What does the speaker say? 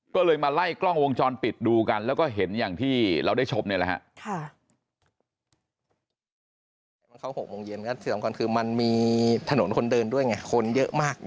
ก็เลยมาไล่กล้องวงจรปิดดูกันแล้วก็เห็นอย่างที่เราได้ชมเนี่ยแหละฮะ